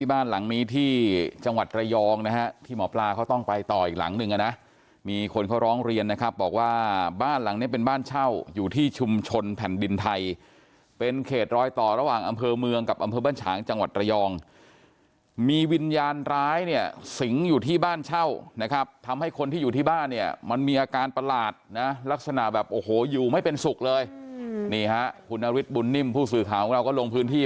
ที่บ้านหลังนี้ที่จังหวัดตระยองนะฮะที่หมอพลาเขาต้องไปต่ออีกหลังนึงนะมีคนเขาร้องเรียนนะครับบอกว่าบ้านหลังนี้เป็นบ้านเช่าอยู่ที่ชุมชนแผ่นดินไทยเป็นเขตรอยต่อระหว่างอำเภอเมืองกับอำเภอบ้านฉางจังหวัดตระยองมีวิญญาณร้ายเนี่ยสิงอยู่ที่บ้านเช่านะครับทำให้คนที่อยู่ที่บ้านเนี่ยมันมีอาการประหล